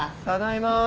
ただいま。